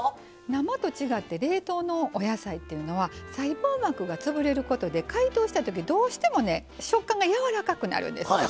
生と違って冷凍のお野菜っていうのは細胞膜が潰れることで解凍したときどうしてもね食感がやわらかくなるんですわ。